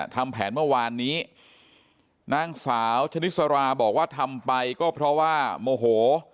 ทำแผนเมื่อวานนี้นางสาวชนิสราบอกว่าทำไปก็เพราะว่าโมโห